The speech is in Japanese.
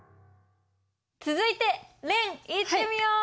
続いてれんいってみよう！